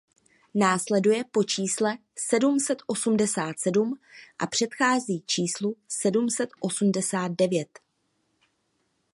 Následuje po čísle sedm set osmdesát sedm a předchází číslu sedm set osmdesát devět.